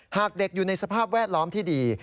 หากเด็กอยู่ในสภาพแวดล้อมที่ดี